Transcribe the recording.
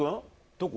どこ？